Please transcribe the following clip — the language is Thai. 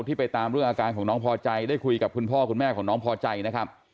ไปตามเรื่องอาการของน้องพอใจได้คุยกับคุณพ่อคุณแม่ของน้องพอใจนะครับ